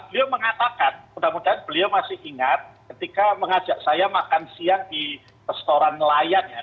beliau mengatakan mudah mudahan beliau masih ingat ketika mengajak saya makan siang di restoran nelayan ya